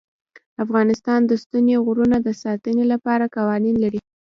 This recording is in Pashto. افغانستان د ستوني غرونه د ساتنې لپاره قوانین لري.